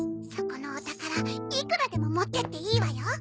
そこのお宝いくらでも持っていっていいわよ。